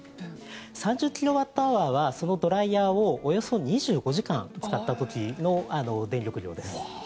３０キロワットアワーはそのドライヤーをおよそ２５時間使った時の電力量です。